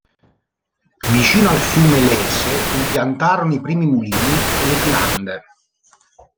Vicino al fiume Lese impiantarono i primi mulini e le filande.